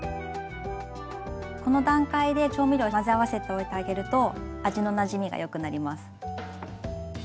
この段階で調味料混ぜ合わせておいてあげると味のなじみがよくなります。